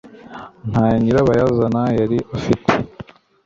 Nta nyirabayazana yari afite.